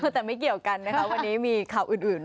แต่ไม่เกี่ยวกันนะคะวันนี้มีข่าวอื่น